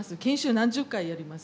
何十回やります